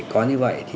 có như vậy